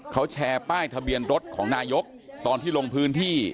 เขาแชร์ป้ายทะเบียนรถของนายกตอนที่ลงพื้นที่